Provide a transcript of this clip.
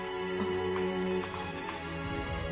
あっ。